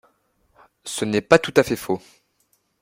Ce n’est pas tout à fait faux